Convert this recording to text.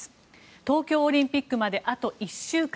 東京オリンピックまであと１週間。